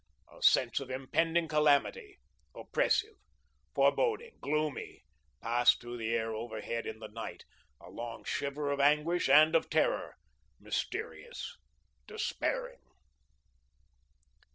A sense of impending calamity, oppressive, foreboding, gloomy, passed through the air overhead in the night, a long shiver of anguish and of terror, mysterious, despairing.